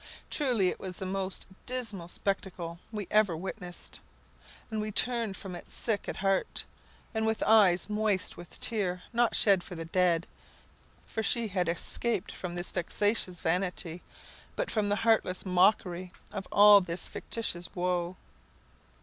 Truly, it was the most dismal spectacle we ever witnessed, and we turned from it sick at heart, and with eyes moist with tears not shed for the dead, for she had escaped from this vexatious vanity, but from the heartless mockery of all this fictitious woe.